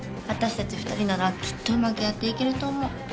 私たち２人ならきっとうまくやっていけると思う。